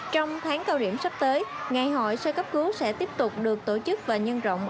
trong tháng cao điểm sắp tới ngày hội sơ cấp cứu sẽ tiếp tục được tổ chức và nhân rộng